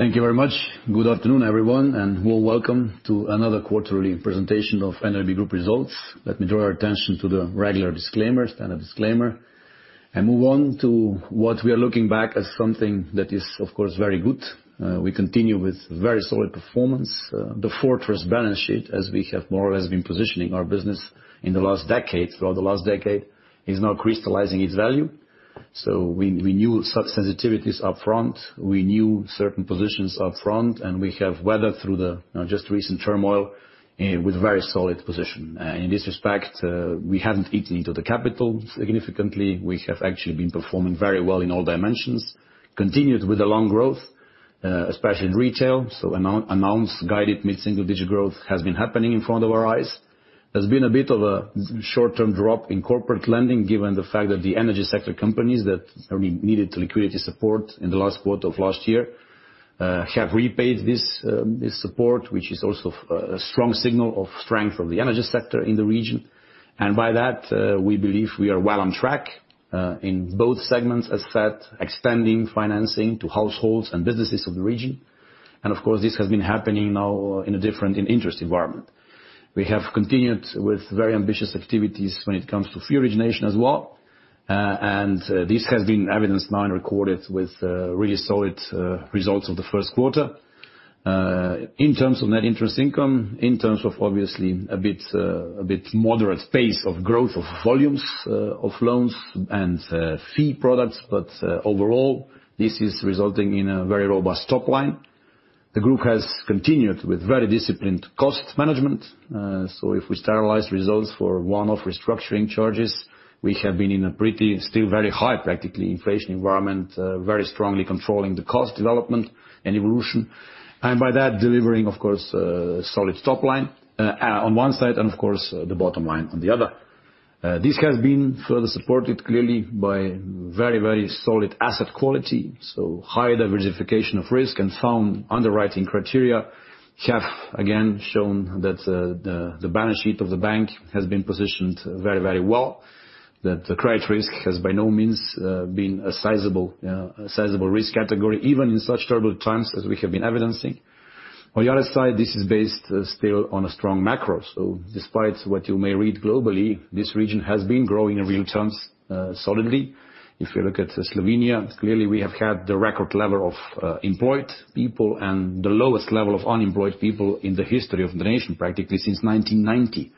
Thank you very much. Good afternoon, everyone. Well, welcome to another quarterly presentation of NLB Group results. Let me draw your attention to the regular disclaimers, standard disclaimer, and move on to what we are looking back as something that is of course very good. We continue with very solid performance, the fortress balance sheet as we have more or less been positioning our business in the last decade. Throughout the last decade, is now crystallizing its value. We knew sub-sensitivities upfront, we knew certain positions upfront. We have weathered through the, you know, just recent turmoil, with very solid position. In this respect, we haven't eaten into the capital significantly. We have actually been performing very well in all dimensions. Continued with the loan growth, especially in retail. Announce guided mid-single digit growth has been happening in front of our eyes. There's been a bit of a short-term drop in corporate lending given the fact that the energy sector companies that really needed liquidity support in the last quarter of last year have repaid this support, which is also a strong signal of strength from the energy sector in the region. By that, we believe we are well on track in both segments, as said, extending financing to households and businesses of the region. Of course, this has been happening now in a different and interest environment. We have continued with very ambitious activities when it comes to fee origination as well. This has been evidenced now and recorded with really solid results of the first quarter. In terms of net interest income, in terms of obviously a bit, a bit moderate pace of growth of volumes, of loans and, fee products. Overall, this is resulting in a very robust top line. The group has continued with very disciplined cost management. If we sterilize results for one-off restructuring charges, we have been in a pretty, still very high, practically inflation environment, very strongly controlling the cost development and evolution. By that, delivering, of course, solid top line, on one side, and of course, the bottom line on the other. This has been further supported clearly by very, very solid asset quality, high diversification of risk and sound underwriting criteria have, again, shown that the balance sheet of the bank has been positioned very, very well, that the credit risk has by no means been a sizable, a sizable risk category, even in such turbulent times as we have been evidencing. On the other side, this is based still on a strong macro. Despite what you may read globally, this region has been growing in real terms, solidly. If you look at Slovenia, clearly we have had the record level of employed people and the lowest level of unemployed people in the history of the nation, practically since 1990.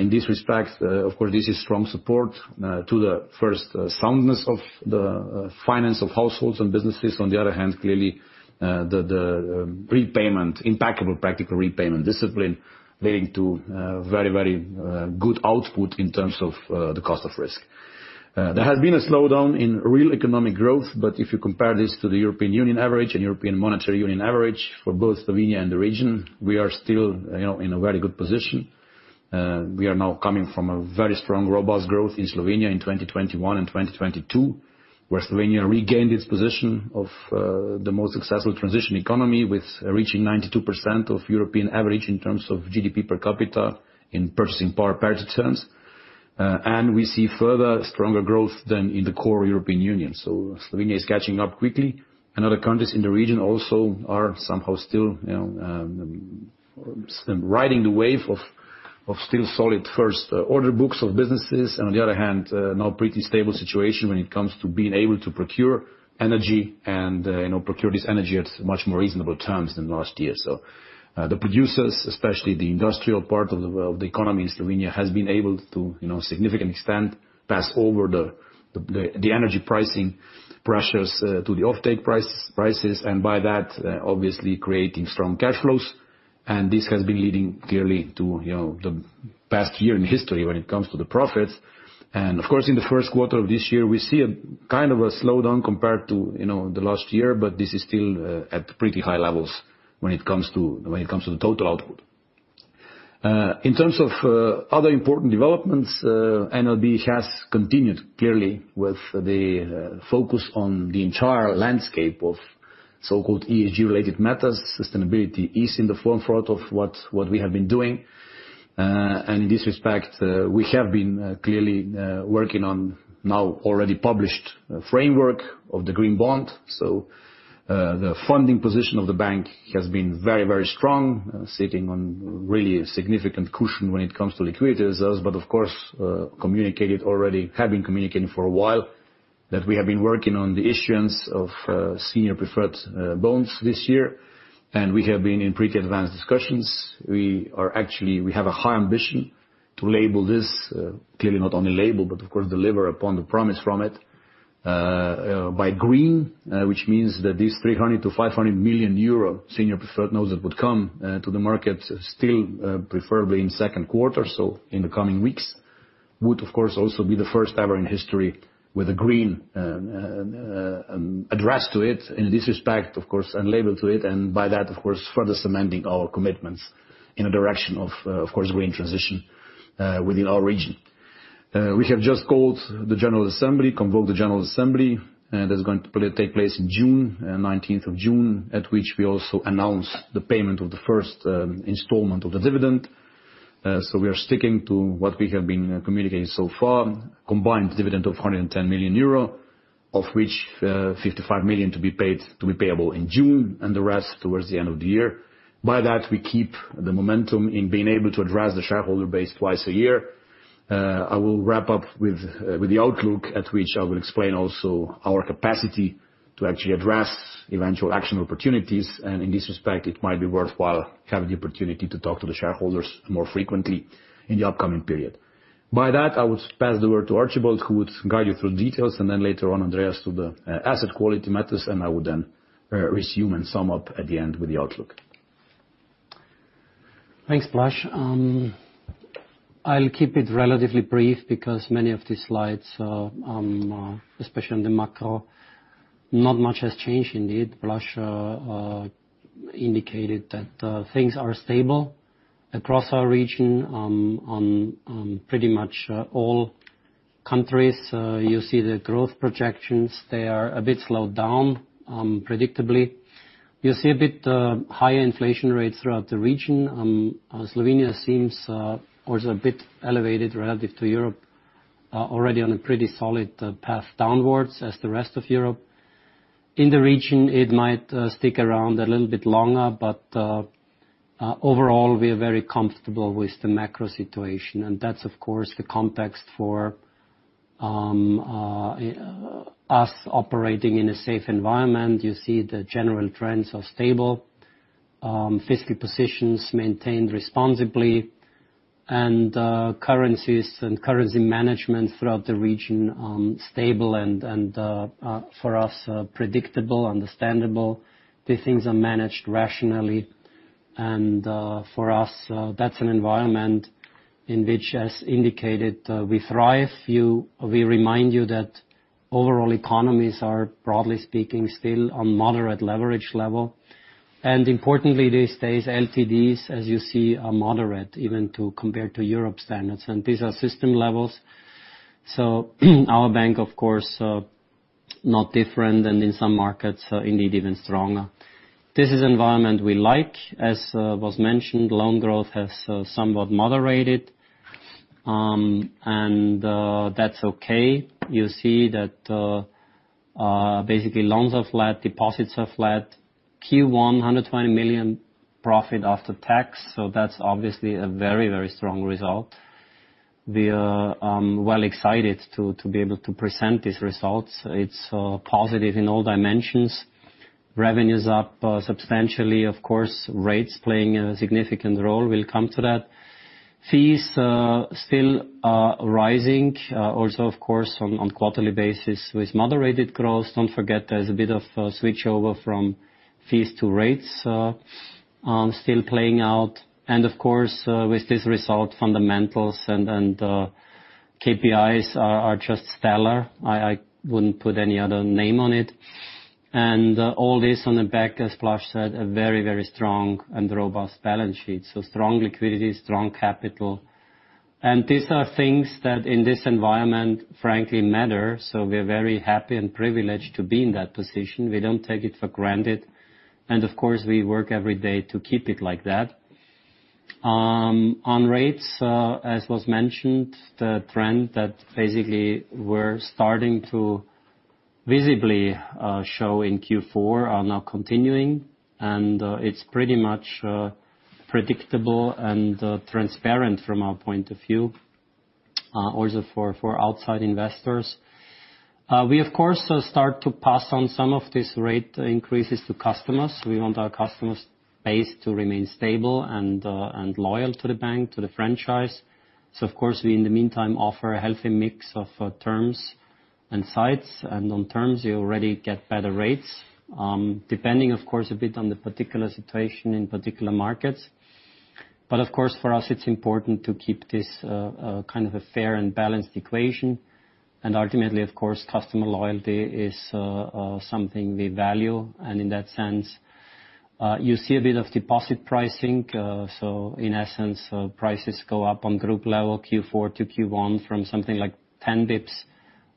In this respect, of course, this is strong support to the first soundness of the finance of households and businesses. On the other hand, clearly, the prepayment, impeccable practical repayment discipline leading to very, very good output in terms of the cost of risk. There has been a slowdown in real economic growth, but if you compare this to the European Union average and European Monetary Union average for both Slovenia and the region, we are still, you know, in a very good position. We are now coming from a very strong, robust growth in Slovenia in 2021 and 2022, where Slovenia regained its position of the most successful transition economy with reaching 92% of European average in terms of GDP per capita in purchasing power parity terms. We see further stronger growth than in the core European Union. Slovenia is catching up quickly, and other countries in the region also are somehow still, you know, riding the wave of still solid first order books of businesses. On the other hand, now pretty stable situation when it comes to being able to procure energy and, you know, procure this energy at much more reasonable terms than last year. The producers, especially the industrial part of the, well, the economy in Slovenia, has been able to, you know, significant extent pass over the energy pricing pressures, to the offtake prices, and by that, obviously creating strong cash flows. This has been leading clearly to, you know, the past year in history when it comes to the profits. Of course, in the first quarter of this year, we see a kind of a slowdown compared to, you know, the last year, but this is still at pretty high levels when it comes to the total output. In terms of other important developments, NLB has continued clearly with the focus on the entire landscape of so-called ESG related matters. Sustainability is in the forefront of what we have been doing. In this respect, we have been clearly working on now already published framework of the green bond. The funding position of the bank has been very, very strong, sitting on really a significant cushion when it comes to liquidity reserves. Of course, communicated already, have been communicating for a while, that we have been working on the issuance of senior preferred bonds this year. We have been in pretty advanced discussions. We are actually, we have a high ambition to label this clearly not only label, but of course deliver upon the promise from it, by green, which means that these 300 million-500 million euro senior preferred notes that would come to the market still preferably in second quarter, so in the coming weeks, would of course also be the first ever in history with a green address to it. In this respect, of course, label to it, and by that, of course, further cementing our commitments in a direction of course, green transition within our region. We have just called the general assembly, convoked the general assembly, that's going to take place in June, 19th of June, at which we also announce the payment of the first installment of the dividend. We are sticking to what we have been communicating so far. Combined dividend of 110 million euro, of which, 55 million to be paid, to be payable in June and the rest towards the end of the year. By that, we keep the momentum in being able to address the shareholder base twice a year. I will wrap up with the outlook at which I will explain also our capacity to actually address eventual action opportunities. In this respect, it might be worthwhile having the opportunity to talk to the shareholders more frequently in the upcoming period. I will pass the word to Archibald, who would guide you through details, and then later on Andreas to the asset quality matters. I would then resume and sum up at the end with the outlook. Thanks, Blaž. I'll keep it relatively brief because many of these slides are, especially on the macro, not much has changed indeed. Blaž indicated that things are stable across our region on pretty much all countries. You see the growth projections, they are a bit slowed down predictably. You see a bit higher inflation rates throughout the region. Slovenia seems or is a bit elevated relative to Europe already on a pretty solid path downwards as the rest of Europe. In the region, it might stick around a little bit longer, but overall, we are very comfortable with the macro situation. That's, of course, the context for us operating in a safe environment. You see the general trends are stable, fiscal positions maintained responsibly, and currencies and currency management throughout the region are stable and for us, predictable, understandable. These things are managed rationally. For us, that's an environment in which, as indicated, we thrive. We remind you that overall economies are, broadly speaking, still on moderate leverage level. Importantly, these days, LTDs, as you see, are moderate even to, compared to Europe standards. These are system levels. So our bank, of course, not different, and in some markets are indeed even stronger. This is environment we like. As was mentioned, loan growth has somewhat moderated, and that's okay. You see that basically loans are flat, deposits are flat. Q1, 120 million profit after tax. That's obviously a very, very strong result. We are well excited to be able to present these results. It's positive in all dimensions. Revenues up substantially, of course, rates playing a significant role, we'll come to that. Fees still are rising also of course, on quarterly basis with moderated growth. Don't forget there's a bit of a switchover from fees to rates still playing out. Of course, with this result, fundamentals and KPIs are just stellar. I wouldn't put any other name on it. All this on the back, as Blaž said, a very, very strong and robust balance sheet. Strong liquidity, strong capital. These are things that in this environment, frankly matter, so we're very happy and privileged to be in that position. We don't take it for granted. Of course, we work every day to keep it like that. On rates, as was mentioned, the trend that basically we're starting to visibly show in Q4 are now continuing, and it's pretty much predictable and transparent from our point of view, also for outside investors. We of course, start to pass on some of these rate increases to customers. We want our customers' base to remain stable and loyal to the bank, to the franchise. Of course, we in the meantime offer a healthy mix of terms and sites. On terms, you already get better rates, depending of course a bit on the particular situation in particular markets. Of course, for us it's important to keep this kind of a fair and balanced equation. Ultimately, of course, customer loyalty is something we value. In that sense, you see a bit of deposit pricing. In essence, prices go up on group level Q4-Q1 from something like 10 bips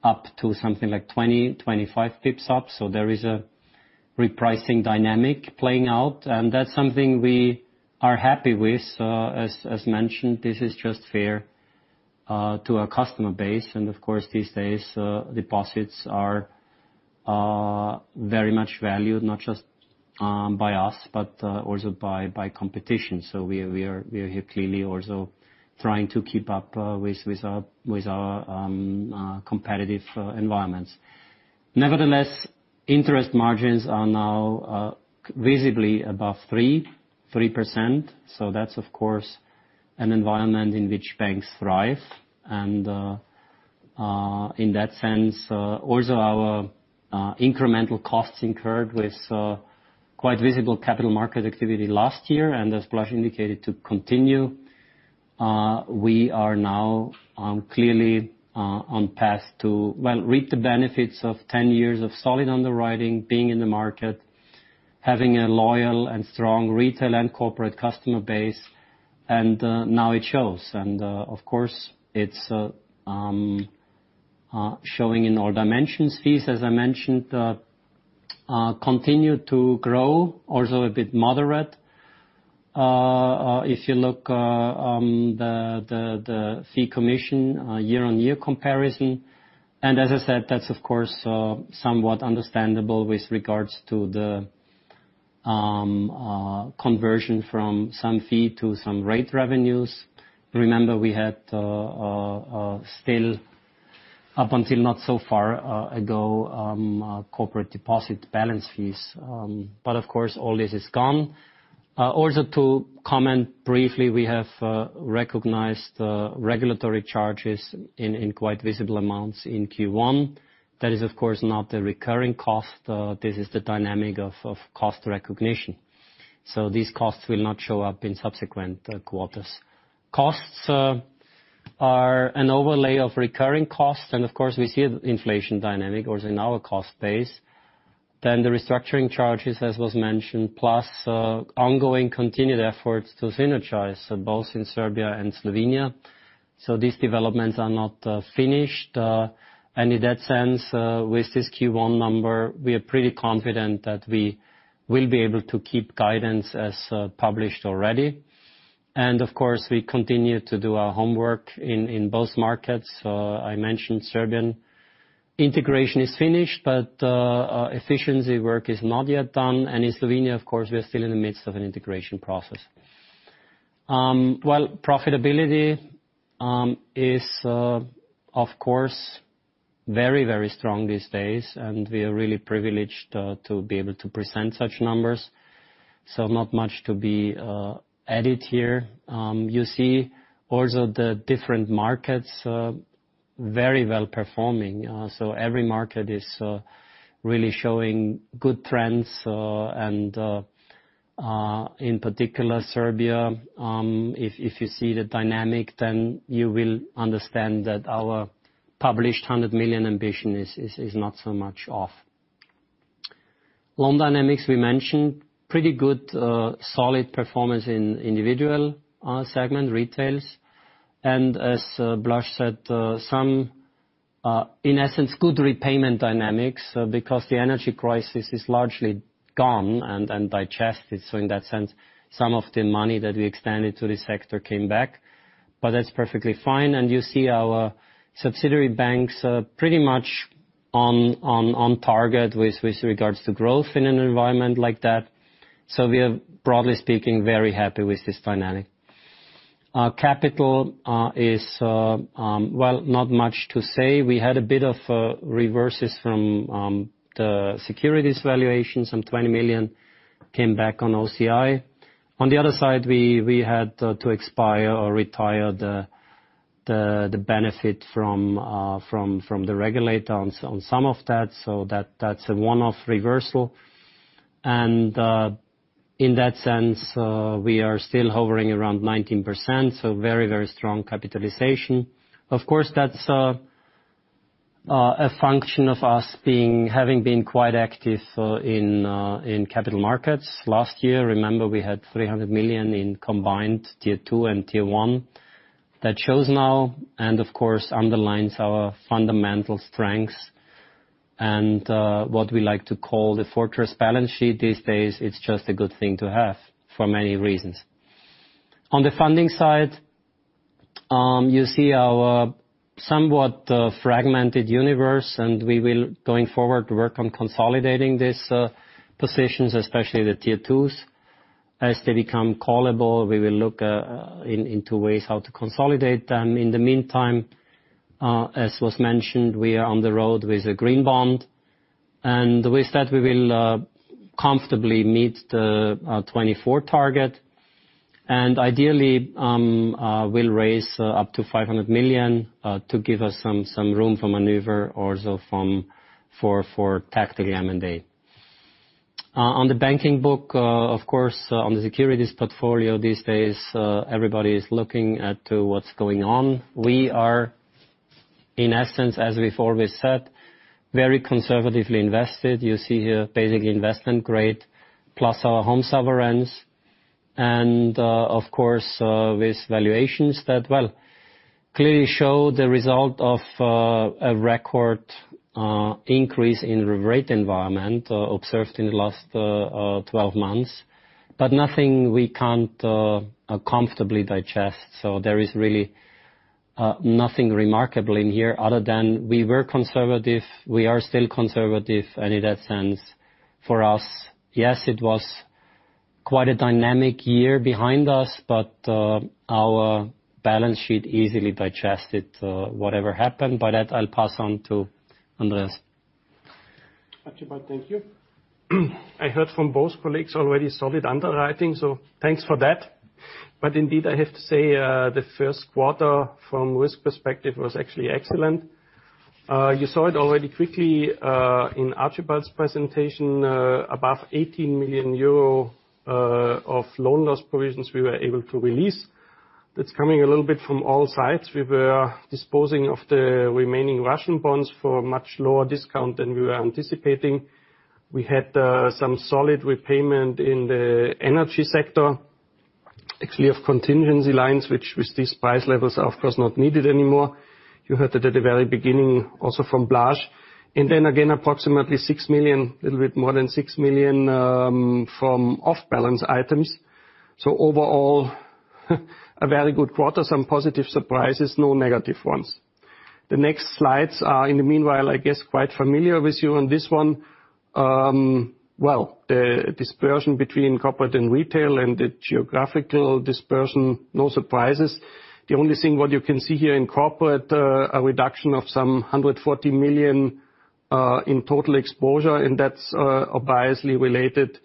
up to something like 20-25 bips up. There is a repricing dynamic playing out, and that's something we are happy with. As mentioned, this is just fair to our customer base. Of course, these days, deposits are very much valued, not just by us, but also by competition. We are here clearly also trying to keep up with our competitive environments. Nevertheless, interest margins are now visibly above 3%, so that's of course an environment in which banks thrive. In that sense, also our incremental costs incurred with quite visible capital market activity last year, and as Blaž indicated, to continue, we are now clearly on path to, well, reap the benefits of 10 years of solid underwriting, being in the market, having a loyal and strong retail and corporate customer base, and now it shows. Of course, it's showing in all dimensions. Fees, as I mentioned, continue to grow, also a bit moderate. If you look, the fee commission year-on-year comparison. As I said, that's of course, somewhat understandable with regards to the conversion from some fee to some rate revenues. Remember we had still up until not so far ago, corporate deposit balance fees. Of course, all this is gone. Also to comment briefly, we have recognized regulatory charges in quite visible amounts in Q1. That is, of course, not a recurring cost. This is the dynamic of cost recognition. These costs will not show up in subsequent quarters. Costs are an overlay of recurring costs, and of course, we see the inflation dynamic or is in our cost base. The restructuring charges, as was mentioned, plus ongoing continued efforts to synergize, both in Serbia and Slovenia. These developments are not finished. In that sense, with this Q1 number, we are pretty confident that we will be able to keep guidance as published already. Of course, we continue to do our homework in both markets. I mentioned Serbian integration is finished, but efficiency work is not yet done. In Slovenia, of course, we are still in the midst of an integration process. Profitability is of course very, very strong these days, and we are really privileged to be able to present such numbers. Not much to be added here. You see also the different markets very well performing. Every market is really showing good trends, and in particular Serbia. If you see the dynamic, then you will understand that our published 100 million ambition is not so much off. Loan dynamics, we mentioned pretty good, solid performance in individual segment retails. As Blaž said, some in essence, good repayment dynamics because the energy crisis is largely gone and digested. In that sense, some of the money that we extended to this sector came back. That's perfectly fine. You see our subsidiary banks are pretty much on target with regards to growth in an environment like that. We are broadly speaking, very happy with this dynamic. Capital is... Well, not much to say. We had a bit of reverses from the securities valuations. Some 20 million came back on OCI. On the other side, we had to expire or retire the benefit from the regulator on some of that, so that's a one-off reversal. In that sense, we are still hovering around 19%, so very, very strong capitalization. Of course, that's a function of us being, having been quite active in capital markets. Last year, remember we had 300 million in combined Tier 2 and Tier 1. That shows now and of course underlines our fundamental strengths and what we like to call the fortress balance sheet these days. It's just a good thing to have for many reasons. On the funding side, you see our somewhat fragmented universe, and we will, going forward, work on consolidating these positions, especially the Tier 2s. As they become callable, we will look into ways how to consolidate them. In the meantime, as was mentioned, we are on the road with a green bond. With that, we will comfortably meet the 2024 target. Ideally, we'll raise up to 500 million to give us some room for maneuver also from for tactically M&A. On the banking book, of course, on the securities portfolio these days, everybody is looking at, to what's going on. We are, in essence, as we've always said, very conservatively invested. You see here basically investment grade plus our home sovereigns. Of course, with valuations that, well, clearly show the result of a record increase in rate environment, observed in the last 12 months, but nothing we can't comfortably digest. There is really nothing remarkable in here other than we were conservative, we are still conservative, and in that sense, for us, yes, it was quite a dynamic year behind us, but our balance sheet easily digested whatever happened. By that, I'll pass on to Andreas. Archibald, thank you. I heard from both colleagues already solid underwriting, so thanks for that. Indeed, I have to say, the first quarter from risk perspective was actually excellent. You saw it already quickly in Archibald's presentation, above 80 million euro of loan loss provisions we were able to release. That's coming a little bit from all sides. We were disposing of the remaining Russian bonds for much lower discount than we were anticipating. We had some solid repayment in the energy sector. Actually, of contingency lines, which with these price levels are, of course, not needed anymore. You heard it at the very beginning also from Blaž. Then again, approximately 6 million, little bit more than 6 million, from off-balance items. Overall, a very good quarter. Some positive surprises, no negative ones. The next slides are, in the meanwhile, I guess, quite familiar with you on this one. Well, the dispersion between corporate and retail and the geographical dispersion, no surprises. The only thing what you can see here in corporate, a reduction of some 140 million in total exposure, and that's obviously related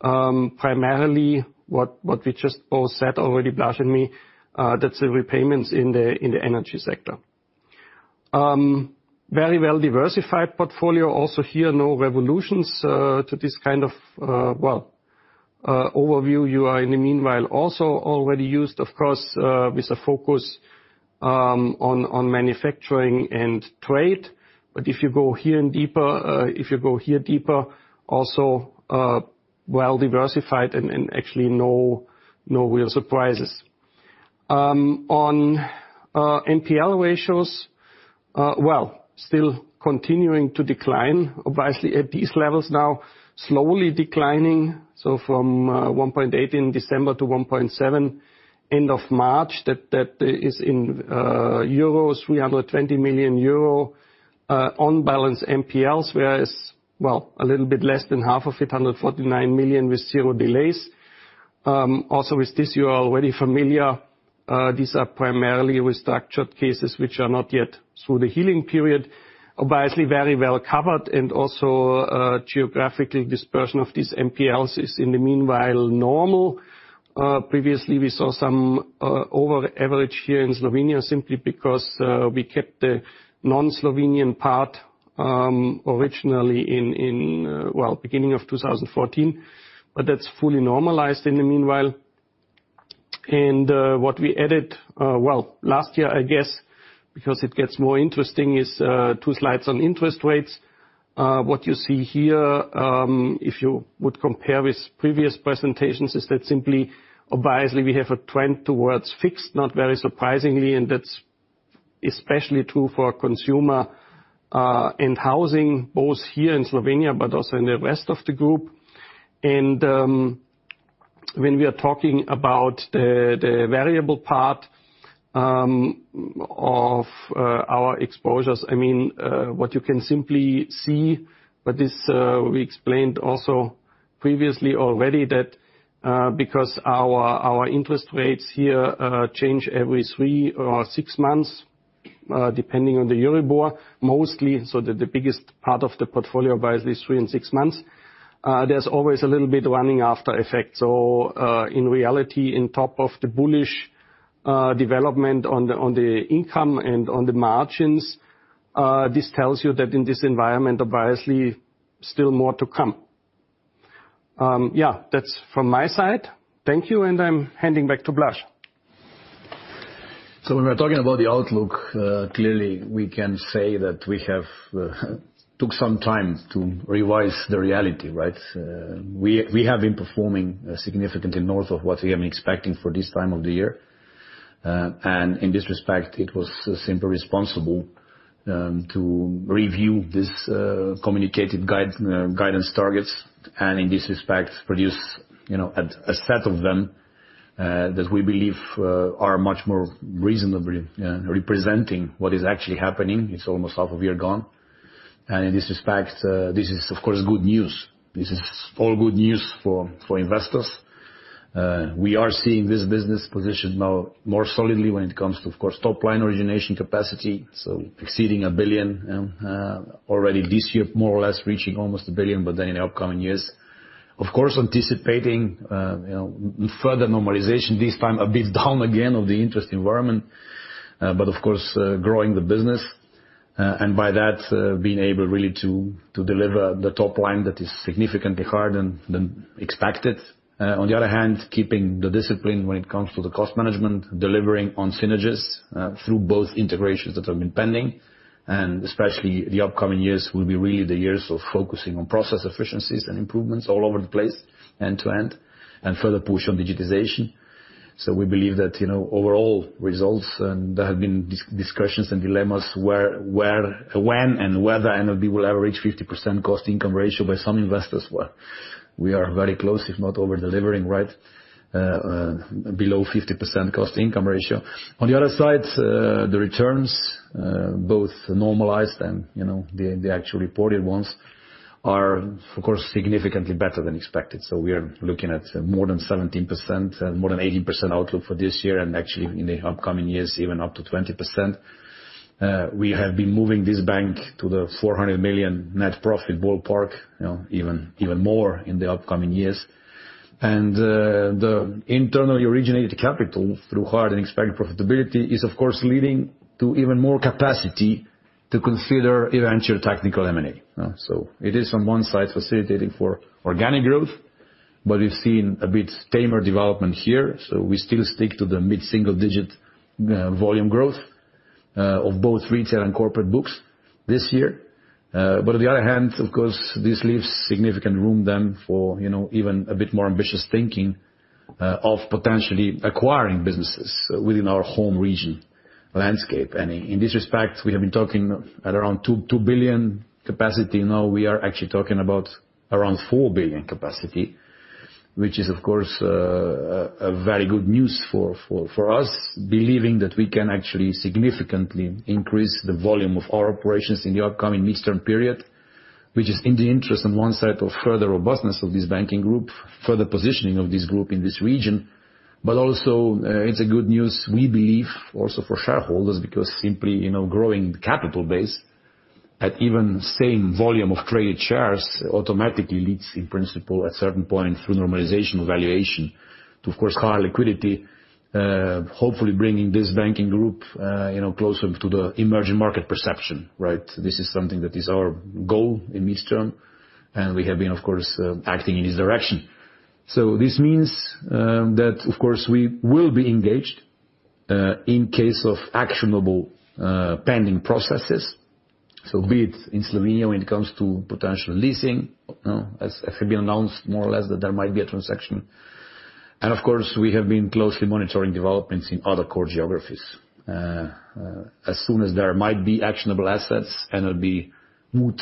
primarily what we just all said already, Blaž and me, that's the repayments in the energy sector. Very well-diversified portfolio. Also here, no revolutions to this kind of well, overview. You are, in the meanwhile, also already used, of course, with a focus on manufacturing and trade. But if you go here in deeper, if you go here deeper, also well-diversified and actually no real surprises. On NPL ratios, well, still continuing to decline. Obviously, at these levels now, slowly declining, so from 1.8 in December to 1.7 end of March. That is in 320 million euro on-balance NPLs, whereas, well, a little bit less than half of it, 149 million with 0 delays. Also with this you are already familiar, these are primarily restructured cases which are not yet through the healing period. Obviously, very well covered and also, geographically dispersion of these NPLs is, in the meanwhile, normal. Previously, we saw some over average here in Slovenia simply because we kept the non-Slovenian part, originally in, well, beginning of 2014, but that's fully normalized in the meanwhile. What we added, well, last year I guess, because it gets more interesting, is two slides on interest rates. What you see here, if you would compare with previous presentations, is that simply, obviously, we have a trend towards fixed, not very surprisingly, and that's especially true for consumer and housing, both here in Slovenia but also in the rest of the group. When we are talking about the variable part of our exposures, I mean, what you can simply see, but this we explained also previously already that because our interest rates here change every three or six months, depending on the EURIBOR, mostly so that the biggest part of the portfolio buys these three and six months. There's always a little bit running after effects. In reality, on top of the bullish development on the income and on the margins, this tells you that in this environment, obviously, still more to come. Yeah, that's from my side. Thank you. I'm handing back to Blaž. When we're talking about the outlook, clearly we can say that we have took some time to revise the reality, right? We have been performing significantly north of what we have been expecting for this time of the year. In this respect, it was simply responsible to review this communicated guide guidance targets, and in this respect, produce, you know, a set of them that we believe are much more reasonably representing what is actually happening. It's almost half a year gone. In this respect, this is of course good news. This is all good news for investors. We are seeing this business position now more solidly when it comes to, of course, top-line origination capacity, so exceeding 1 billion already this year, more or less reaching almost 1 billion, but then in the upcoming years. Of course, anticipating, you know, further normalization, this time a bit down again of the interest environment, but of course, growing the business, and by that, being able really to deliver the top line that is significantly higher than expected. On the other hand, keeping the discipline when it comes to the cost management, delivering on synergies, through both integrations that have been pending, and especially the upcoming years will be really the years of focusing on process efficiencies and improvements all over the place, end-to-end, and further push on digitization. We believe that, you know, overall results and there have been discussions and dilemmas where when and whether NLB will ever reach 50% cost-income ratio by some investors. We are very close, if not over-delivering, right, below 50% cost-income ratio. On the other side, the returns, both normalized and, you know, the actual reported ones are, of course, significantly better than expected. We are looking at more than 17% and more than 18% outlook for this year, and actually in the upcoming years, even up to 20%. We have been moving this bank to the 400 million net profit ballpark, you know, even more in the upcoming years. The internally originated capital through higher than expected profitability is of course leading to even more capacity to consider eventual technical M&A. It is on one side facilitating for organic growth, but we've seen a bit tamer development here, so we still stick to the mid-single digit volume growth of both retail and corporate books this year. On the other hand, of course, this leaves significant room then for, you know, even a bit more ambitious thinking of potentially acquiring businesses within our home region landscape. In this respect, we have been talking at around 2 billion capacity. Now we are actually talking about around 4 billion capacity, which is, of course, a very good news for us, believing that we can actually significantly increase the volume of our operations in the upcoming mid-term period, which is in the interest on one side of further robustness of this banking group, further positioning of this group in this region. Also, it's a good news, we believe also for shareholders, because simply, you know, growing capital base at even same volume of traded shares automatically leads, in principle, at certain point through normalization of valuation to, of course, higher liquidity, hopefully bringing this banking group, you know, closer to the emerging market perception, right. This is something that is our goal in midterm, and we have been, of course, acting in this direction. This means that of course we will be engaged in case of actionable, pending processes. Be it in Slovenia when it comes to potential leasing, you know, as have been announced more or less, that there might be a transaction. Of course, we have been closely monitoring developments in other core geographies. As soon as there might be actionable assets, NLB would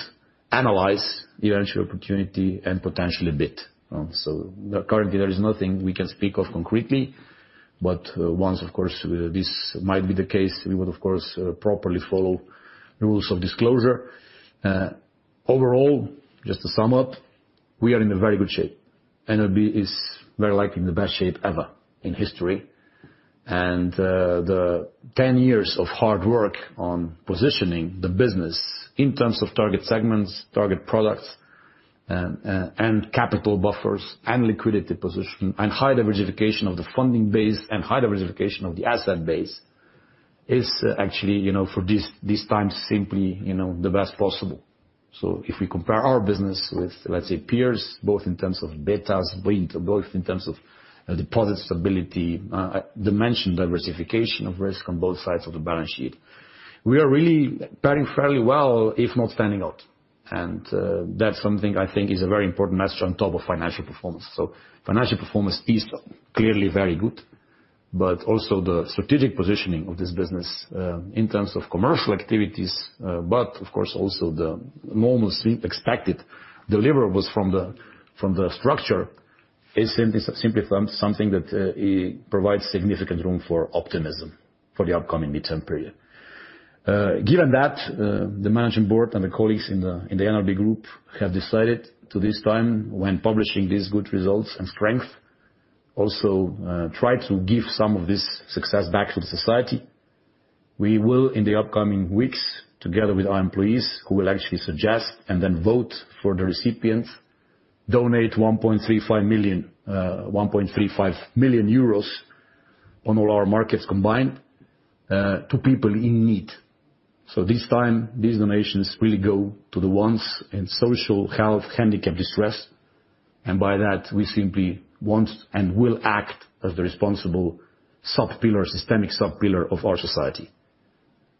analyze the eventual opportunity and potentially bid. Currently there is nothing we can speak of concretely, but once of course, this might be the case, we would of course properly follow rules of disclosure. Overall, just to sum up, we are in a very good shape. NLB is very likely in the best shape ever in history. The 10 years of hard work on positioning the business in terms of target segments, target products, and capital buffers and liquidity position and high diversification of the funding base and high diversification of the asset base is actually, you know, for this time simply, you know, the best possible. If we compare our business with, let's say, peers, both in terms of betas, both in terms of deposits stability, dimension diversification of risk on both sides of the balance sheet, we are really pairing fairly well, if not standing out. That's something I think is a very important message on top of financial performance. Financial performance is clearly very good, but also the strategic positioning of this business in terms of commercial activities, but of course, also the enormously expected deliverables from the structure is simply from something that provides significant room for optimism for the upcoming midterm period. Given that the management board and the colleagues in the NLB Group have decided to this time when publishing these good results and strength also try to give some of this success back to the society. We will in the upcoming weeks, together with our employees, who will actually suggest and then vote for the recipient, donate 1.35 million euros on all our markets combined to people in need. This time, these donations really go to the ones in social, health, handicap distress. By that, we simply want and will act as the responsible sub-pillar, systemic sub-pillar of our society.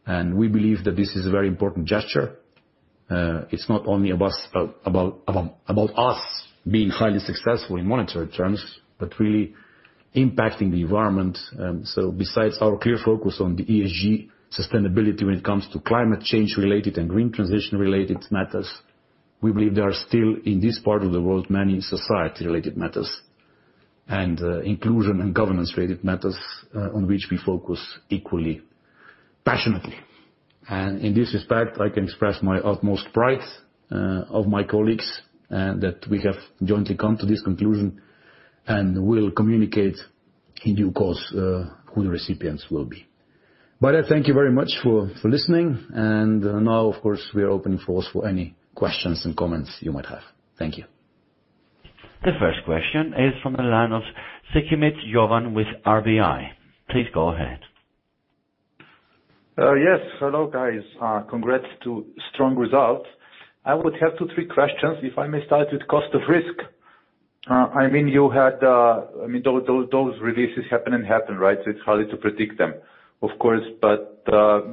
We believe that this is a very important gesture. It's not only about us being highly successful in monetary terms, but really impacting the environment. Besides our clear focus on the ESG sustainability when it comes to climate change related and green transition related matters, we believe there are still, in this part of the world, many society related matters and inclusion and governance related matters on which we focus equally passionately. In this respect, I can express my utmost pride of my colleagues that we have jointly come to this conclusion and will communicate in due course who the recipients will be. Thank you very much for listening. Now of course, we are open for any questions and comments you might have. Thank you. The first question is from the line of Jovan Sikimić with RBI. Please go ahead. Yes. Hello, guys. Congrats to strong results. I would have two, three questions, if I may start with cost of risk. I mean, you had. I mean, those releases happen, right? It's hard to predict them, of course.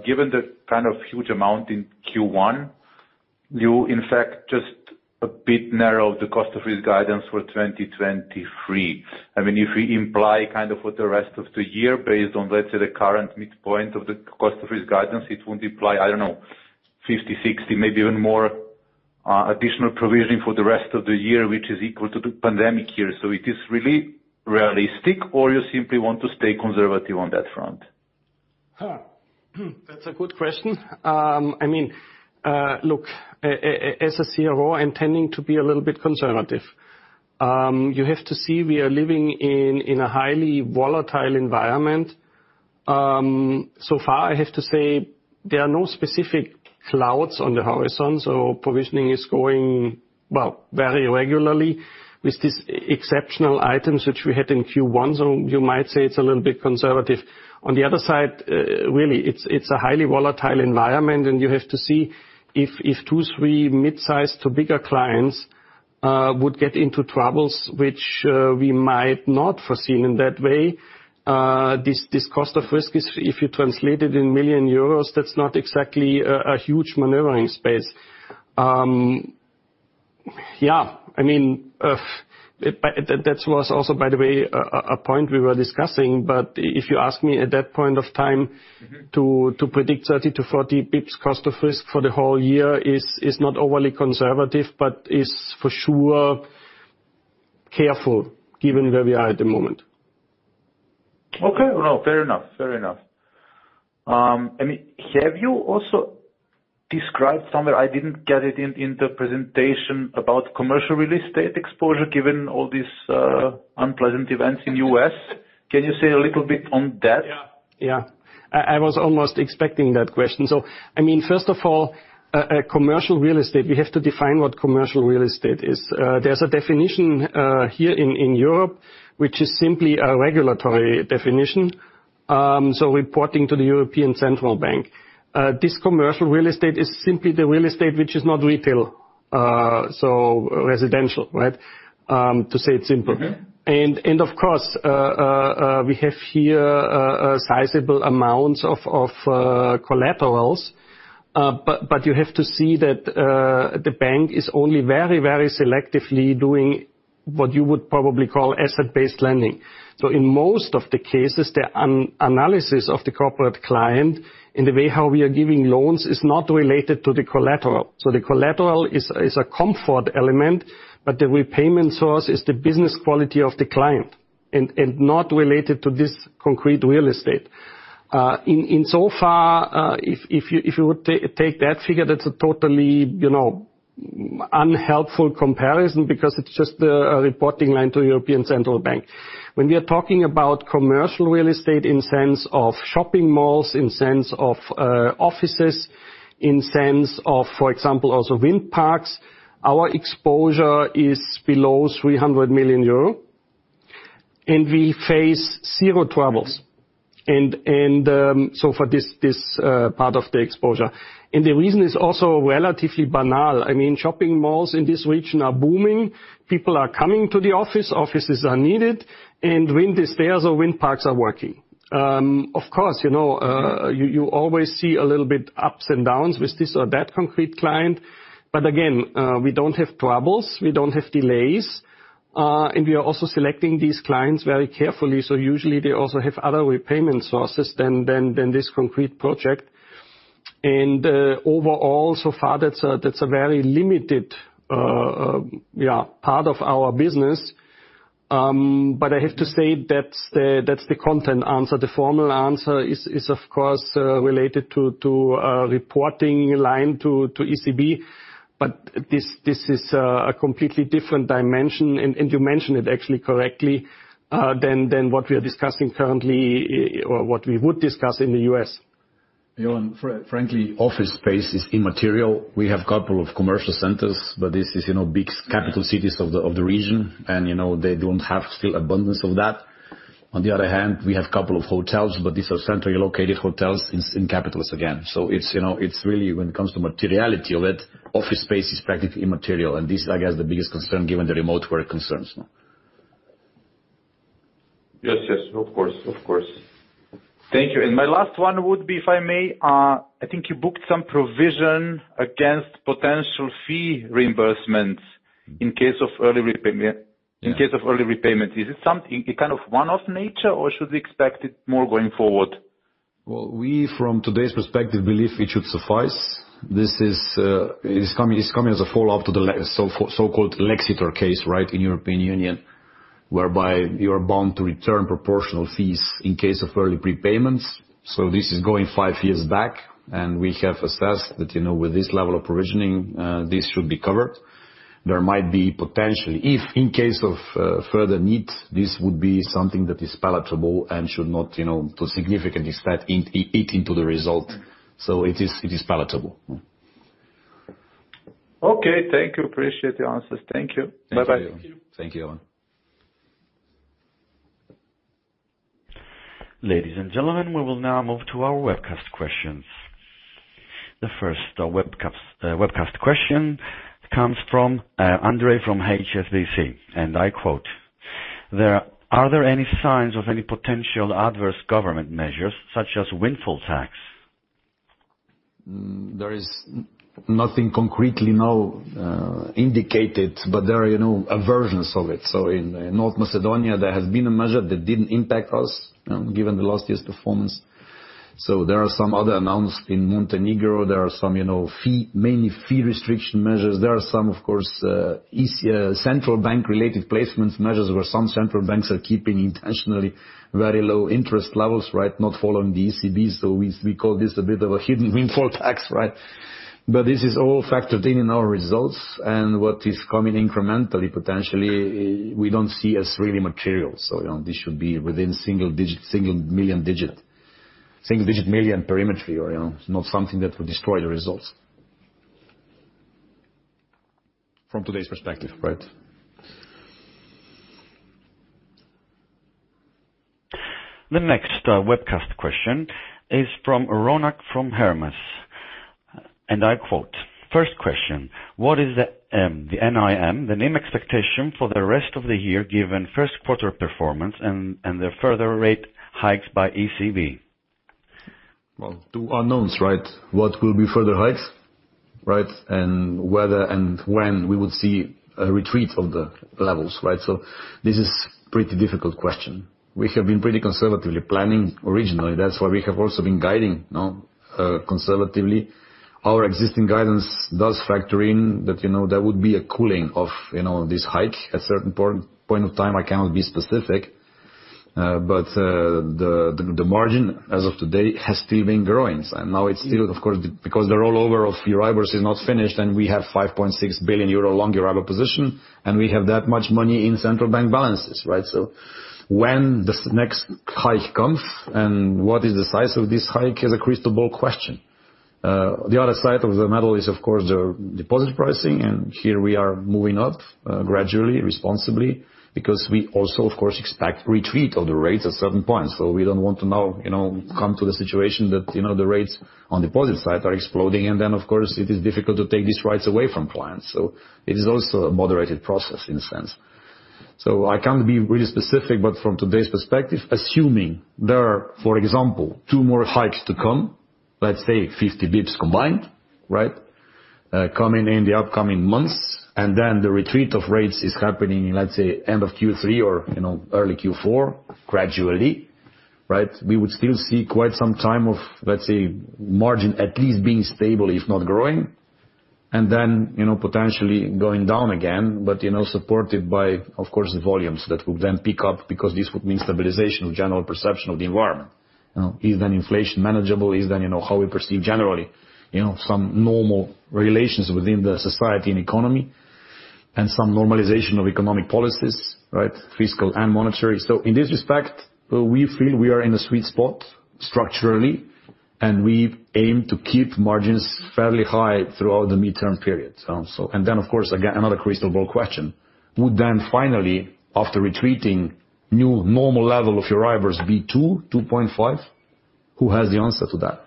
Given the kind of huge amount in Q1, you in fact just a bit narrowed the cost of risk guidance for 2023. I mean, if we imply kind of for the rest of the year based on, let's say, the current midpoint of the cost of risk guidance, it would imply, I don't know, 50, 60, maybe even more additional provisioning for the rest of the year, which is equal to the pandemic year. It is really realistic or you simply want to stay conservative on that front? That's a good question. I mean, look, as a CRO, I'm tending to be a little bit conservative. You have to see we are living in a highly volatile environment. So far, I have to say there are no specific clouds on the horizon, so provisioning is going, well, very regularly with these exceptional items which we had in Q1. You might say it's a little bit conservative. On the other side, really, it's a highly volatile environment, and you have to see if two, three mid-sized to bigger clients... would get into troubles which we might not foresee in that way. This cost of risk is, if you translate it in million euros, that's not exactly a huge maneuvering space. Yeah, I mean, that was also by the way a point we were discussing. If you ask me at that point of time. Mm-hmm. ...to predict 30-40 bips cost of risk for the whole year is not overly conservative, but is for sure careful given where we are at the moment. Okay. No, fair enough. Fair enough. Have you also described somewhere, I didn't get it in the presentation about commercial real estate exposure, given all these unpleasant events in U.S. Can you say a little bit on that? I was almost expecting that question. I mean, first of all, commercial real estate, we have to define what commercial real estate is. There's a definition here in Europe, which is simply a regulatory definition, so reporting to the European Central Bank. This commercial real estate is simply the real estate, which is not retail, so residential, right? To say it simple. Mm-hmm. Of course, we have here sizable amounts of collaterals. You have to see that the bank is only very, very selectively doing what you would probably call asset-based lending. In most of the cases, the analysis of the corporate client in the way how we are giving loans is not related to the collateral. The collateral is a comfort element, but the repayment source is the business quality of the client and not related to this concrete real estate. In so far, if you would take that figure, that's a totally, you know, unhelpful comparison because it's just a reporting line to European Central Bank. When we are talking about commercial real estate in sense of shopping malls, in sense of, offices, in sense of, for example, also wind parks, our exposure is below 300 million euro, and we face zero troubles and so for this part of the exposure. The reason is also relatively banal. I mean, shopping malls in this region are booming. People are coming to the office, offices are needed, and wind farms or wind parks are working. Of course, you know, you always see a little bit ups and downs with this or that concrete client. Again, we don't have troubles, we don't have delays, and we are also selecting these clients very carefully. Usually they also have other repayment sources than this concrete project. Overall, so far that's a very limited part of our business. I have to say that's the content answer. The formal answer is of course related to reporting line to ECB. This is a completely different dimension, and you mentioned it actually correctly than what we are discussing currently or what we would discuss in the U.S. Jovan, frankly, office space is immaterial. We have two commercial centers, This is, you know, big capital cities of the region, You know, they don't have still abundance of that. On the other hand, we have two hotels, These are centrally located hotels in capitals again. It's, you know, it's really when it comes to materiality of it, office space is practically immaterial, This I guess, the biggest concern given the remote work concerns now. Yes. Of course. Thank you. My last one would be, if I may, I think you booked some provision against potential fee reimbursements in case of early repayment. Is it something, a kind of one-off nature or should we expect it more going forward? Well, we from today's perspective, believe it should suffice. This is, it is coming, it's coming as a follow-up to the so-called Lexitor case, right, in European Union, whereby you're bound to return proportional fees in case of early prepayments. This is going five years back, and we have assessed that, you know, with this level of provisioning, this should be covered. There might be potentially, if in case of, further needs, this would be something that is palatable and should not, you know, to significantly start eat into the result. It is, it is palatable. Okay. Thank you. Appreciate the answers. Thank you. Bye-bye. Thank you, Jovan. Ladies and gentlemen, we will now move to our webcast questions. The first webcast question comes from Andre from HSBC, and I quote, "Are there any signs of any potential adverse government measures such as windfall tax? There is nothing concretely, no, indicated. There are, you know, aversions of it. In North Macedonia, there has been a measure that didn't impact us, given the last year's performance. There are some other announced in Montenegro. There are some, you know, mainly fee restriction measures. There are some, of course, central bank-related placements measures where some central banks are keeping intentionally very low interest levels, right? Not following the ECB. We call this a bit of a hidden windfall tax, right? This is all factored in in our results. What is coming incrementally, potentially we don't see as really material. You know, this should be within single digit, single million digit. Single digit million perimeter, you know. It's not something that will destroy the results. From today's perspective, right? The next webcast question is from Ronak from EFG Hermes. I quote, first question: What is the NIM expectation for the rest of the year given first quarter performance and the further rate hikes by ECB? Well, two unknowns, right? What will be further hikes, right? Whether and when we would see a retreat of the levels, right? This is pretty difficult question. We have been pretty conservatively planning originally. That's why we have also been guiding now conservatively. Our existing guidance does factor in that, you know, there would be a cooling of, you know, this hike at certain point of time. I cannot be specific. The margin as of today has still been growing. Now it's still of course, because the rollover of EURIBOR is not finished, and we have 5.6 billion euro long EURIBOR position, and we have that much money in central bank balances, right? When this next hike comes and what is the size of this hike is a crystal ball question. The other side of the medal is of course the deposit pricing, and here we are moving up gradually, responsibly, because we also of course expect retreat of the rates at certain points. We don't want to now, you know, come to the situation that, you know, the rates on deposit side are exploding and then of course it is difficult to take these rights away from clients. It is also a moderated process in a sense. I can't be really specific, but from today's perspective, assuming there are, for example, two more hikes to come, let's say 50 BPS combined, right? Coming in the upcoming months, and then the retreat of rates is happening in, let's say, end of Q3 or, you know, early Q4, gradually, right? We would still see quite some time of, let's say, margin at least being stable if not growing, and then, you know, potentially going down again. You know, supported by, of course, the volumes that will then pick up because this would mean stabilization of general perception of the environment. You know, is then inflation manageable, is then, you know, how we perceive generally, you know, some normal relations within the society and economy, and some normalization of economic policies, right? Fiscal and monetary. In this respect, we feel we are in a sweet spot structurally, and we aim to keep margins fairly high throughout the midterm period. Of course, again, another crystal ball question. Would then finally, after retreating, new normal level of EURIBORs be 2-2.5? Who has the answer to that?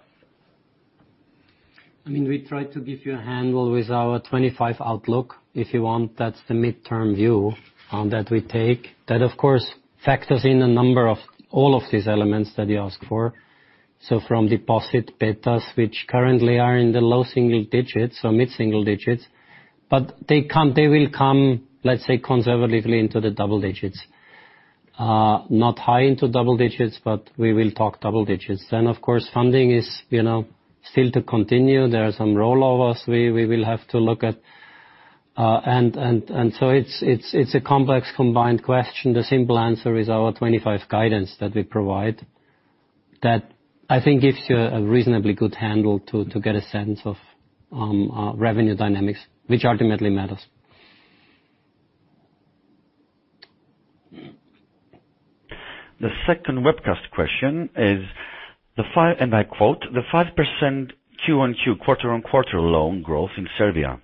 I mean, we try to give you a handle with our 25 outlook. If you want, that's the midterm view that we take. That of course factors in a number of all of these elements that you ask for. From deposit betas, which currently are in the low single digits or mid single digits, but they come, they will come, let's say, conservatively into the double digits. Not high into double digits, but we will talk double digits. Of course, funding is, you know, still to continue. There are some rollovers we will have to look at. It's a complex combined question. The simple answer is our 25 guidance that we provide that I think gives you a reasonably good handle to get a sense of revenue dynamics, which ultimately matters. The second webcast question is I quote, "The 5% Q1Q, quarter-on-quarter loan growth in Serbia,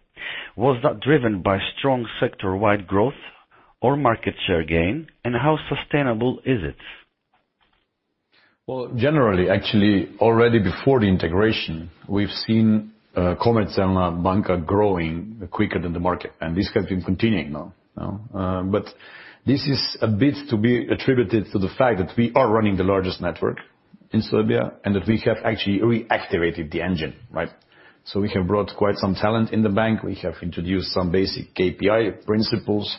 was that driven by strong sector-wide growth or market share gain, and how sustainable is it? Generally, actually already before the integration, we've seen Komercijalna banka growing quicker than the market, and this has been continuing now. This is a bit to be attributed to the fact that we are running the largest network in Serbia, and that we have actually reactivated the engine, right? We have brought quite some talent in the bank. We have introduced some basic KPI principles,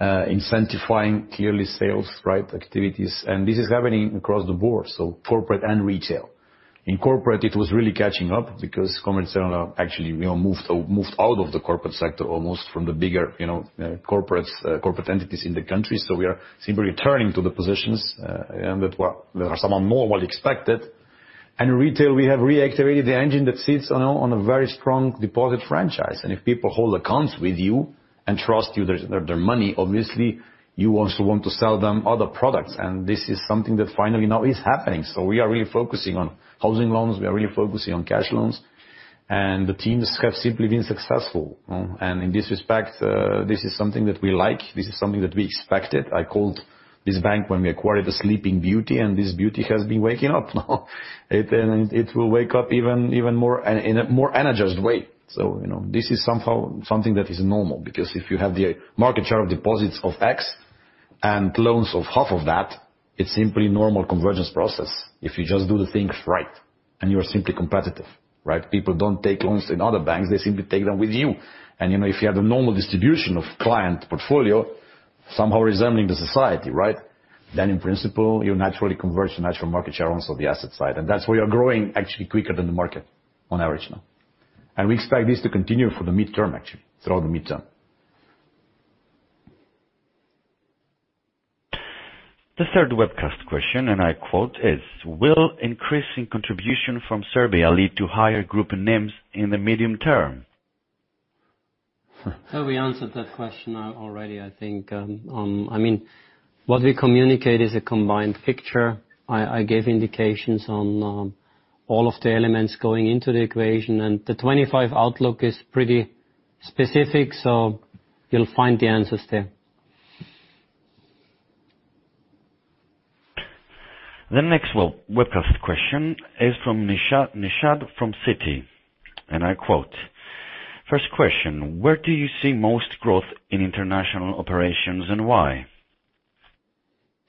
incentivizing clearly sales, right, activities. This is happening across the board, so corporate and retail. In corporate, it was really catching up because Komercijalna actually, you know, moved out of the corporate sector almost from the bigger, you know, corporates, corporate entities in the country. We are simply returning to the positions, and that were, that are somewhat more well expected. Retail, we have reactivated the engine that sits on a very strong deposit franchise. If people hold accounts with you and trust you their money, obviously you also want to sell them other products. This is something that finally now is happening. We are really focusing on housing loans. We are really focusing on cash loans. The teams have simply been successful. In this respect, this is something that we like. This is something that we expected. I called this bank when we acquired a sleeping beauty, and this beauty has been waking up now. It will wake up even more, in a more energized way. You know, this is somehow something that is normal, because if you have the market share of deposits of X and loans of half of that, it's simply normal convergence process if you just do the things right and you are simply competitive, right? People don't take loans in other banks, they simply take them with you. You know, if you have the normal distribution of client portfolio, somehow resembling the society, right? In principle, you naturally converge to natural market share also the asset side. That's why you're growing actually quicker than the market on average now. We expect this to continue for the midterm actually, throughout the midterm. The third webcast question, and I quote is, "Will increase in contribution from Serbia lead to higher group NIMs in the medium term? We answered that question, already I think, I mean, what we communicate is a combined picture. I gave indications on, all of the elements going into the equation, and the 25 outlook is pretty specific. You'll find the answers there. The next webcast question is from Nishad from Citi. I quote. First question: Where do you see most growth in international operations and why?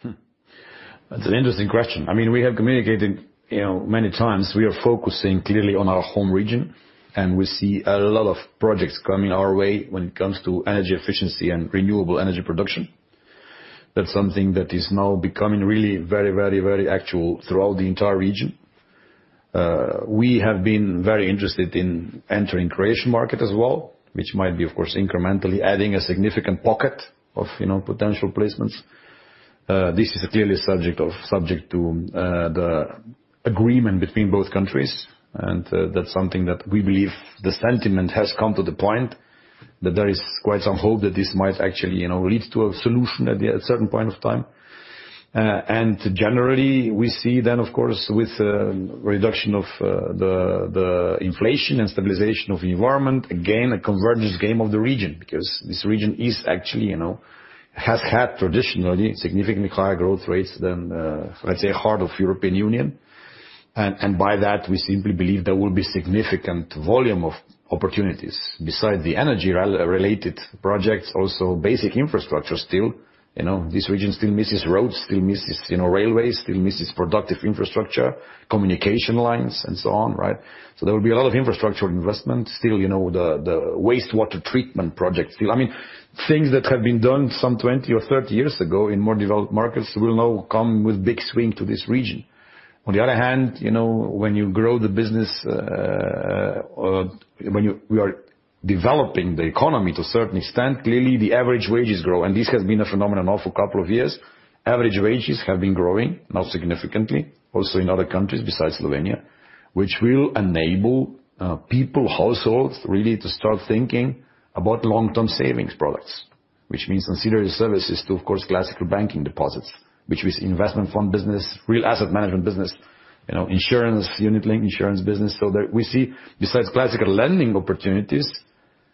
That's an interesting question. I mean, we have communicated, you know, many times we are focusing clearly on our home region. We see a lot of projects coming our way when it comes to energy efficiency and renewable energy production. That's something that is now becoming really very, very, very actual throughout the entire region. We have been very interested in entering Croatian market as well, which might be, of course, incrementally adding a significant pocket of, you know, potential placements. This is clearly subject to the agreement between both countries. That's something that we believe the sentiment has come to the point that there is quite some hope that this might actually, you know, lead to a solution at a certain point of time. Generally, we see then, of course, with reduction of the inflation and stabilization of environment, again, a convergence game of the region, because this region is actually, you know, has had traditionally significantly higher growth rates than the, let's say, heart of European Union. By that, we simply believe there will be significant volume of opportunities. Besides the energy-related projects, also basic infrastructure still. You know, this region still misses roads, still misses, you know, railways, still misses productive infrastructure, communication lines and so on, right? There will be a lot of infrastructure investment. Still, you know, the wastewater treatment project still. I mean, things that have been done some 20 or 30 years ago in more developed markets will now come with big swing to this region. On the other hand, you know, when you grow the business, we are developing the economy to a certain extent, clearly the average wages grow, and this has been a phenomenon now for a couple of years. Average wages have been growing now significantly, also in other countries besides Slovenia, which will enable people, households really to start thinking about long-term savings products, which means considering services to, of course, classical banking deposits, which is investment fund business, real asset management business, you know, insurance, Unit-Linked Insurance Plan business. So there... We see, besides classical lending opportunities,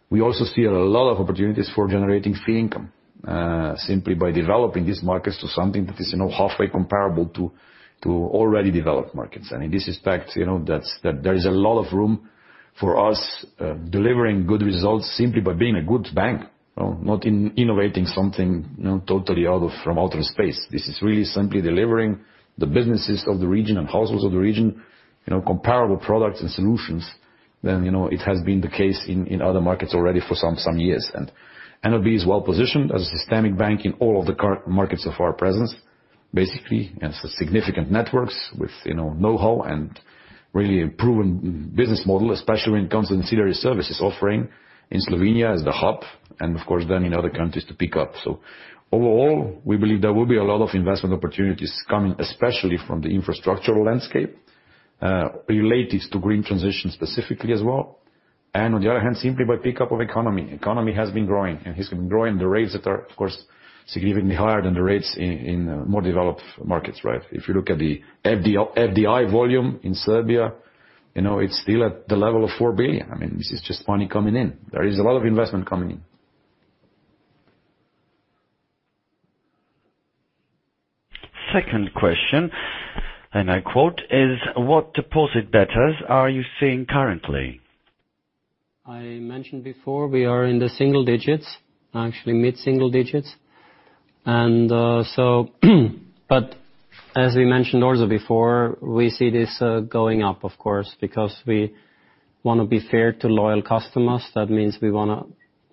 we also see a lot of opportunities for generating fee income, simply by developing these markets to something that is, you know, halfway comparable to already developed markets. In this respect, you know, that's, that there is a lot of room for us delivering good results simply by being a good bank. Not in innovating something, you know, totally out of from outer space. This is really simply delivering the businesses of the region and households of the region, you know, comparable products and solutions than, you know, it has been the case in other markets already for some years. NLB is well-positioned as a systemic bank in all of the markets of our presence, basically, and significant networks with, you know-how and really proven business model, especially when it comes to ancillary services offering in Slovenia as the hub and, of course, then in other countries to pick up. Overall, we believe there will be a lot of investment opportunities coming, especially from the infrastructural landscape, related to green transition specifically as well. On the other hand, simply by pickup of economy. Economy has been growing, and it's been growing the rates that are, of course, significantly higher than the rates in more developed markets, right? If you look at the FDI volume in Serbia, you know, it's still at the level of 4 billion. I mean, this is just money coming in. There is a lot of investment coming in. Second question, and I quote, is: What deposit betas are you seeing currently? I mentioned before, we are in the single digits, actually mid-single digits. As we mentioned also before, we see this going up, of course, because we wanna be fair to loyal customers. That means we wanna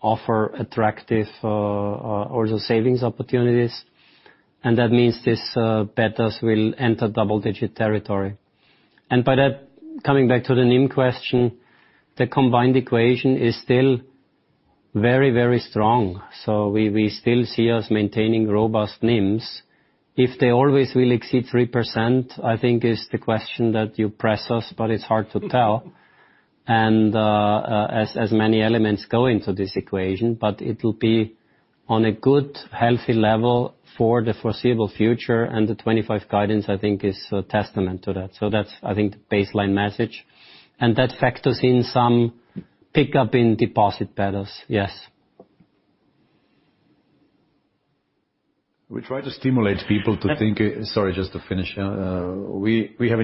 offer attractive also savings opportunities. That means this betas will enter double-digit territory. By that, coming back to the NIM question, the combined equation is still very, very strong. We still see us maintaining robust NIMs. If they always will exceed 3%, I think is the question that you press us, but it's hard to tell. As many elements go into this equation, but it'll be on a good, healthy level for the foreseeable future, and the 2025 guidance, I think, is a testament to that. That's, I think, the baseline message. That factors in some pickup in deposit betas. Yes. We try to stimulate people to think... Uh- Sorry, just to finish. We have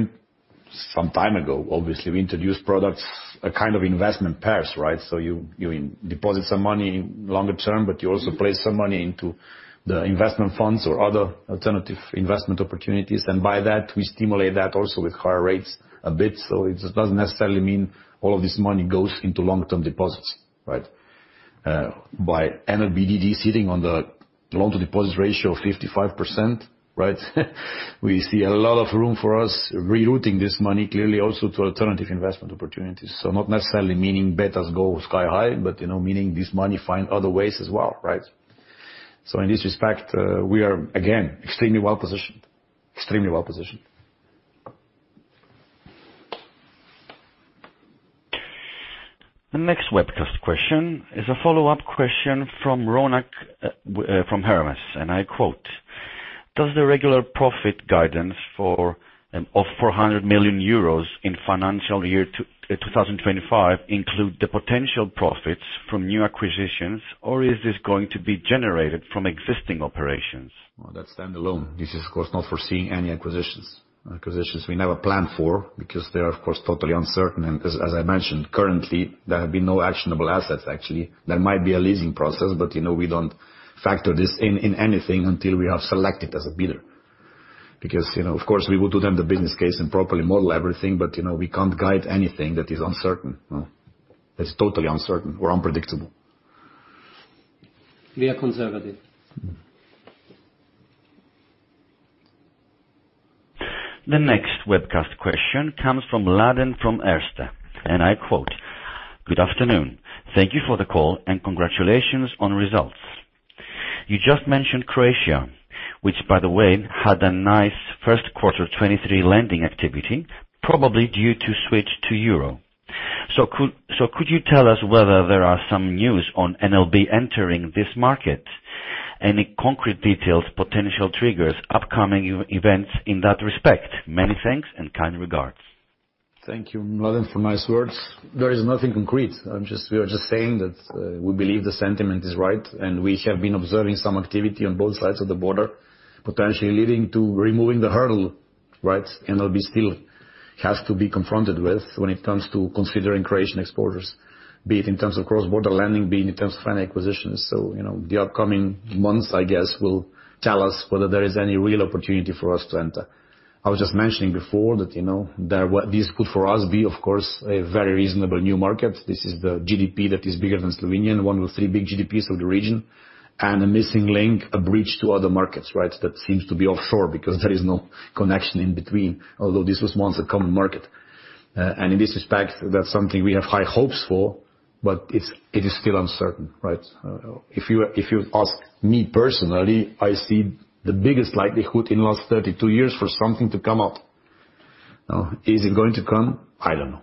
some time ago, obviously, we introduced products, a kind of investment pairs, right? You deposit some money longer term, but you also place some money into the investment funds or other alternative investment opportunities. By that, we stimulate that also with higher rates a bit. It just doesn't necessarily mean all of this money goes into long-term deposits, right? By NLB d.d. sitting on the loan to deposit ratio of 55%, right? We see a lot of room for us rerouting this money clearly also to alternative investment opportunities. Not necessarily meaning betas go sky high, but, you know, meaning this money find other ways as well, right? In this respect, we are again, extremely well-positioned. Extremely well-positioned. The next webcast question is a follow-up question from Ronak from Hermes, and I quote: Does the regular profit guidance for of 400 million euros in financial year 2025 include the potential profits from new acquisitions? Or is this going to be generated from existing operations? Well, that's standalone. This is, of course, not foreseeing any acquisitions. Acquisitions we never planned for because they are, of course, totally uncertain. As I mentioned, currently, there have been no actionable assets, actually. There might be a leasing process, but, you know, we don't factor this in anything until we are selected as a bidder. You know, of course, we will do then the business case and properly model everything. You know, we can't guide anything that is uncertain. No. That's totally uncertain or unpredictable. We are conservative. Mm-hmm. The next webcast question comes from Vladan from Erste, and I quote: "Good afternoon. Thank you for the call, and congratulations on results. You just mentioned Croatia, which, by the way, had a nice first quarter 2023 lending activity, probably due to switch to euro. Could you tell us whether there are some news on NLB entering this market? Any concrete details, potential triggers, upcoming events in that respect? Many thanks and kind regards. Thank you, Vladan, for nice words. There is nothing concrete. We are just saying that we believe the sentiment is right, and we have been observing some activity on both sides of the border, potentially leading to removing the hurdle, right? NLB still has to be confronted with when it comes to considering Croatian exporters, be it in terms of cross-border lending, be it in terms of foreign acquisitions. You know, the upcoming months, I guess, will tell us whether there is any real opportunity for us to enter. I was just mentioning before that, you know, This could, for us, be, of course, a very reasonable new market. This is the GDP that is bigger than Slovenian, one of three big GDPs of the region, and a missing link, a bridge to other markets, right? That seems to be offshore because there is no connection in between, although this was once a common market. In this respect, that's something we have high hopes for, but it is still uncertain, right? If you, if you ask me personally, I see the biggest likelihood in last 32 years for something to come up. Is it going to come? I don't know.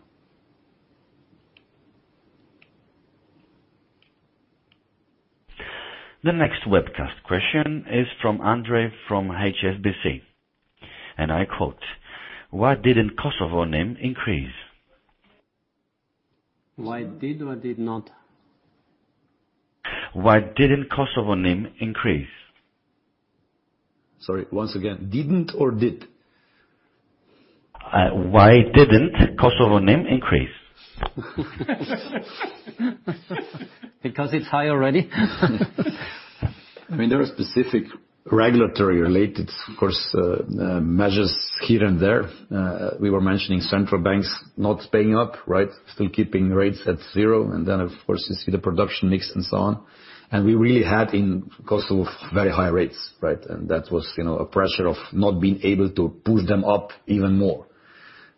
The next webcast question is from Andrej from HSBC, and I quote: "Why didn't Kosovo NIM increase? Why did or did not? Why didn't Kosovo NIM increase? Sorry. Once again. Didn't or did? Why didn't Kosovo NIM increase? It's high already. I mean, there are specific regulatory related, of course, measures here and there. We were mentioning central banks not paying up, right? Still keeping rates at 0. Of course, you see the production mix and so on. We really had in Kosovo very high rates, right? That was, you know, a pressure of not being able to push them up even more.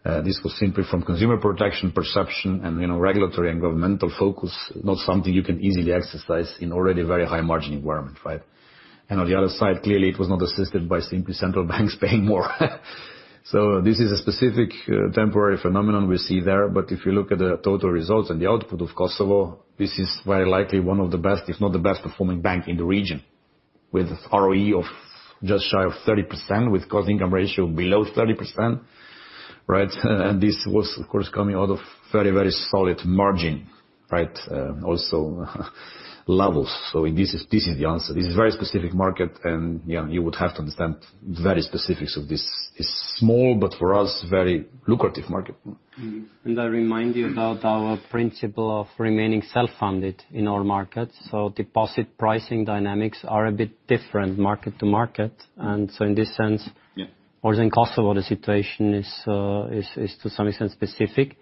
This was simply from consumer protection perception and, you know, regulatory and governmental focus, not something you can easily exercise in already very high margin environment, right? On the other side, clearly, it was not assisted by simply central banks paying more. This is a specific, temporary phenomenon we see there. If you look at the total results and the output of Kosovo, this is very likely one of the best, if not the best performing bank in the region, with ROE of just shy of 30%, with cost-income ratio below 30%, right? This was, of course, coming out of very, very solid margin, right? Also levels. In this is the answer. This is very specific market and, you know, you would have to understand the very specifics of this small but for us, very lucrative market. I remind you about our principle of remaining self-funded in all markets. Deposit pricing dynamics are a bit different market to market. Yeah. In Kosovo, the situation is to some extent specific.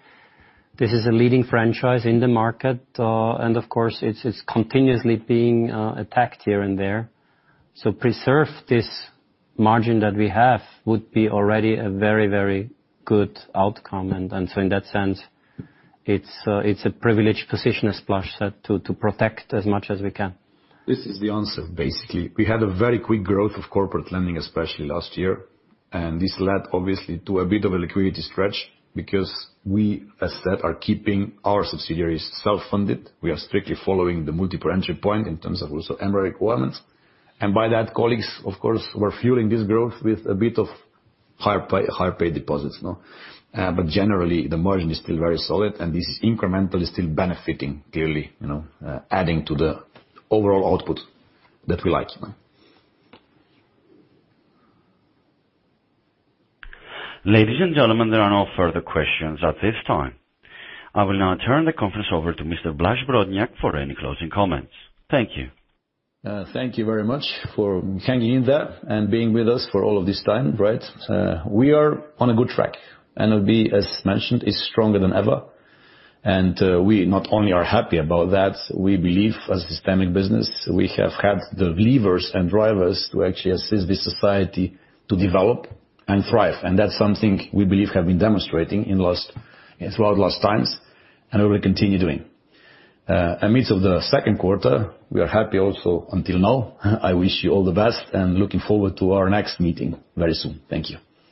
This is a leading franchise in the market. Of course, it's continuously being attacked here and there. Preserve this margin that we have would be already a very, very good outcome. In that sense, it's a privileged position as Blaž said to protect as much as we can. This is the answer, basically. We had a very quick growth of corporate lending, especially last year, and this led obviously to a bit of a liquidity stretch because we, as said, are keeping our subsidiaries self-funded. We are strictly following the multiple entry point in terms of also MPE requirements. By that, colleagues, of course, were fueling this growth with a bit of higher pay deposits, no? Generally, the margin is still very solid, and this is incrementally still benefiting clearly, you know, adding to the overall output that we like to make. Ladies and gentlemen, there are no further questions at this time. I will now turn the conference over to Mr. Blaž Brodnjak for any closing comments. Thank you. Thank you very much for hanging in there and being with us for all of this time, right? We are on a good track. NLB, as mentioned, is stronger than ever. we not only are happy about that, we believe as systemic business, we have had the levers and drivers to actually assist the society to develop and thrive. That's something we believe have been demonstrating throughout last times and we will continue doing. Amidst of the second quarter, we are happy also until now. I wish you all the best, and looking forward to our next meeting very soon. Thank you.